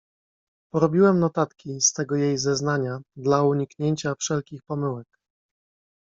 "Porobiłem notatki z tego jej zeznania dla uniknięcia wszelkich pomyłek“."